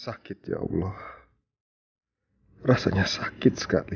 sakit ya allah rasanya sakit sekali